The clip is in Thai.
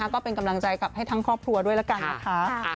ก็เป็นกำลังใจกับให้ทั้งครอบครัวด้วยละกันนะคะ